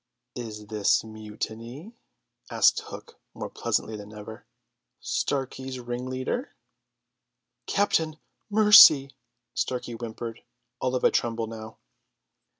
"Is this mutiny?" asked Hook more pleasantly than ever. "Starkey's ringleader!" "Captain, mercy!" Starkey whimpered, all of a tremble now.